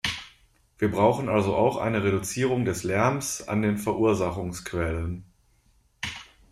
Wir brauchen also auch eine Reduzierung des Lärms an den Verursachungsquellen.